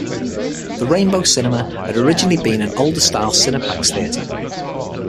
The Rainbow Cinema had originally been an older style Cineplex theatre.